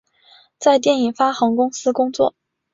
在电影发行公司工作。